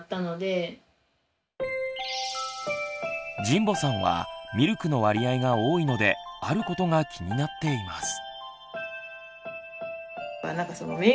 神保さんはミルクの割合が多いのであることが気になっています。